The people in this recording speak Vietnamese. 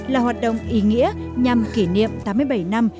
là hoạt động ý nghĩa nhằm kỷ niệm tám mươi bảy năm